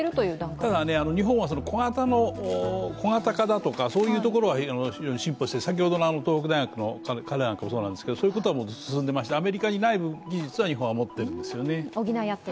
ただ日本は小型化とかは非常に進歩して、先ほどの彼なんかもそうなんですけどそういうことは進んでいましてアメリカにない技術を日本は持っているんですね。